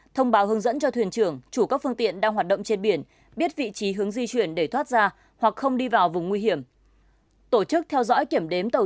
thông báo hướng dẫn cho thuyền trưởng chủ các phương tiện đang hoạt động trên biển biết vị trí hướng di chuyển để thoát ra hoặc không đi vào vùng nguy hiểm